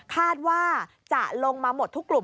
คาดว่าจะลงมาหมดทุกกลุ่ม